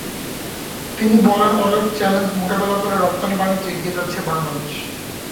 তিনি বলেন, অনেক চ্যালেঞ্জ মোকাবিলা করে রপ্তানি বাণিজ্যে এগিয়ে যাচ্ছে বাংলাদেশ।